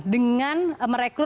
dengan merekrut pekerja